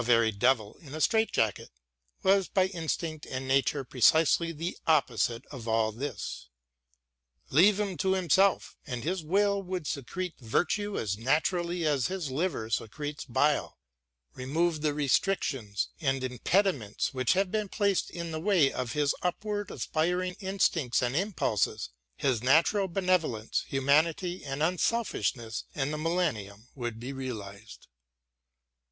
very devil in a strait jacket — ^was by instinct and nature precisely the opposite of aU this. Leave him to himself and his will would secrete virtue as naturally as his liver secretes bile ; remove the restrictions and impediments which have been placed in the way of his upward aspiring instincts and impulses, his natural benevolence, humanity, and unselfishness, and the millennium would be realised.